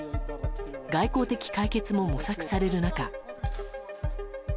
外交的解決も模索される中。